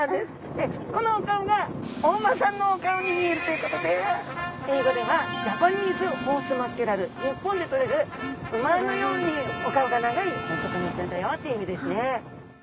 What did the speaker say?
このお顔がお馬さんのお顔に見えるということで英語ではジャパニーズホースマッケレル日本でとれる馬のようにお顔が長いお魚ちゃんだよっていう意味ですね。